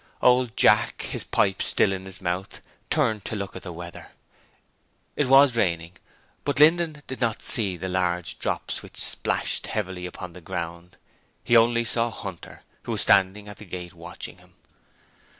Old Jack, his pipe still in his mouth, turned to look at the weather. It was raining, but Linden did not see the large drops which splashed heavily upon the ground. He saw only Hunter, who was standing at the gate, watching him.